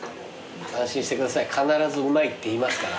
安心してください必ずうまいって言いますから。